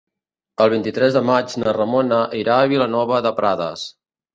El vint-i-tres de maig na Ramona irà a Vilanova de Prades.